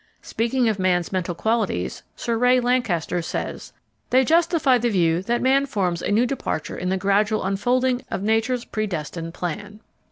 Speaking of man's mental qualities, Sir Ray Lankester says: "They justify the view that man forms a new departure in the gradual unfolding of Nature's predestined plan."